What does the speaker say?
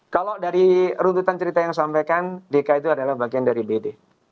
kalau dari runtutan cerita yang disampaikan dki itu adalah bagian dari bd